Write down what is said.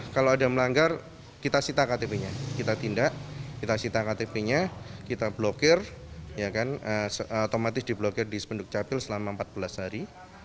kalau ada melanggar kita sita ktp nya kita tindak kita sita ktp nya kita blokir otomatis diblokir di sepenuk capil selama empat belas hari